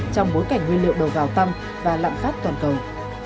trong bối cảnh nguyên liệu đầu vào tâm và lặng phát toàn cầu